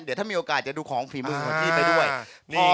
เดี๋ยวถ้ามีโอกาสจะดูของฝีมือของพี่ไปด้วย